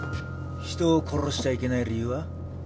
人を殺しちゃいけない理由は？